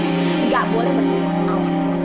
nggak boleh bersisa awas ya